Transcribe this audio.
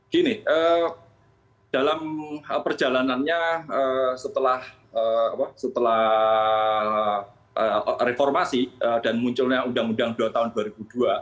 gini dalam perjalanannya setelah reformasi dan munculnya undang undang dua tahun dua ribu dua